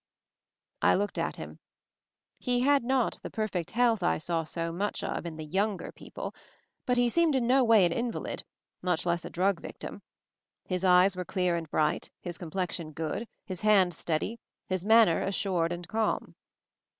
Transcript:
.^_J I looked at him. He had not the perfect health I saw so much of in the younger peo 242 MOVING THE MOUNTAIN pie; but he seemed in no way an invalid, much less a drug victim. His eyes were clear and bright, his complexion good, his hand steady, his manner assured and calm.